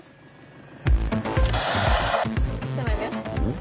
ん？